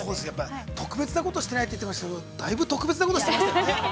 ◆やっぱり特別なことしてないと言ってましたけれども、だいぶ特別なことしてましたよね。